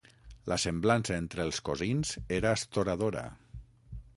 La semblança entre els cosins era astoradora.